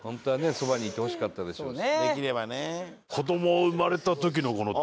そばにいてほしかったでしょうし。